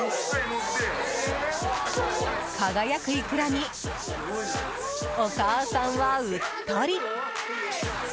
輝くイクラにお母さんはうっとり。